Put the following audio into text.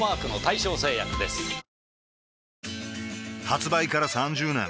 発売から３０年